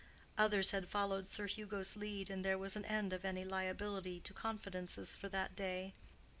Others had followed Sir Hugo's lead, and there was an end of any liability to confidences for that day.